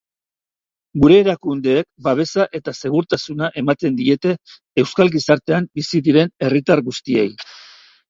Gure erakundeek babesa eta segurtasuna ematen diete euskal gizartean bizi diren herritar guztiei.